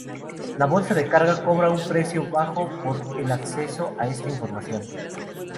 La bolsa de carga cobra un precio bajo por el acceso a esta información.